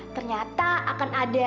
ternyata aku akan berubah